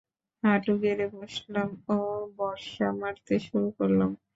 হাঁটু গেড়ে বসলাম ও বর্শা মারতে শুরু করলাম।